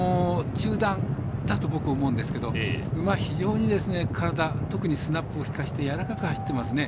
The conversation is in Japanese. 中団だと僕、思うんですけど馬、非常に体特にスナップを利かせてやわらかく走ってますね。